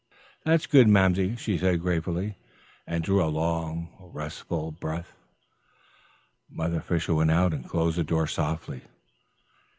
"That's good, Mamsie," she said gratefully, and drew a long, restful breath. Mother Fisher went out and closed the door softly.